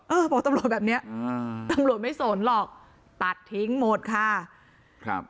เออบอกตำรวจแบบเนี้ยอ่าตำรวจไม่สนหรอกตัดทิ้งหมดค่ะครับ